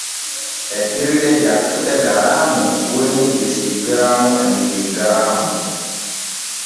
Etirɗe jaccuɗe garaamu woni desigaraamu e miligaraamu.